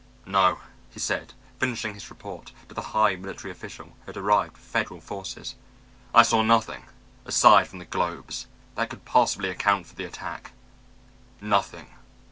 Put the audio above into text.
"No," he said, finishing his report to the high military official who had arrived with federal forces, "I saw nothing aside from the globes that could possibly account for the attack. Nothing."